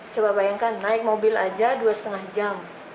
coba bayangkan naik mobil aja dua lima jam